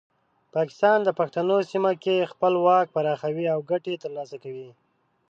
پاکستان د پښتنو سیمه کې خپل واک پراخوي او ګټې ترلاسه کوي.